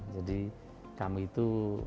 jadi kami itu